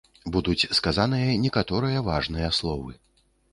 Будуць сказаныя некаторыя важныя словы.